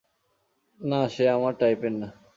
না সে আমার টাইপের না।